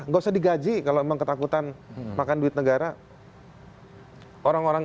tidak usah digaji kalau memang ketakutan makan duit negara